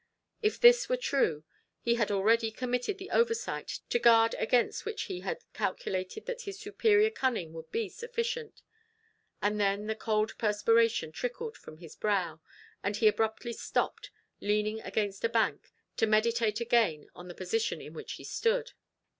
If this were true, he had already committed the oversight to guard against which he had calculated that his superior cunning would be sufficient; and then the cold perspiration trickled from his brow, and he abruptly stopped, leaning against a bank, to meditate again on the position in which he stood.